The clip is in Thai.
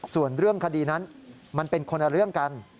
ส่วนเรื่องคดีนั้นมันเป็นคนละเรื่องกัน